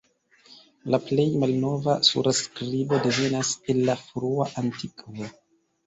La plej malnova surskribo devenas el la frua antikvo.